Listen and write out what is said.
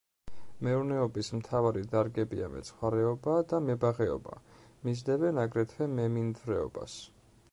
მეურნეობის მთავარი დარგებია: მეცხვარეობა და მებაღეობა, მისდევენ აგრეთვე მემინდვრეობას.